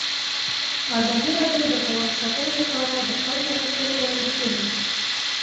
ازادي راډیو د حیوان ساتنه لپاره د خلکو غوښتنې وړاندې کړي.